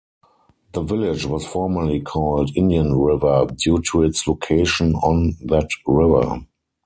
The village was formerly called "Indian River" due to its location on that river.